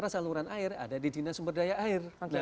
ada di dinas sumberdaya air